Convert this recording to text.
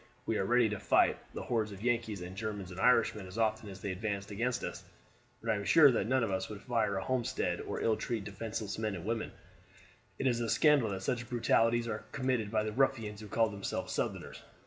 We are ready to fight the hordes of Yankees and Germans and Irishmen as often as they advance against us, but I am sure that none of us would fire a homestead or ill treat defenseless men and women. It is a scandal that such brutalities are committed by the ruffians who call themselves Southerners.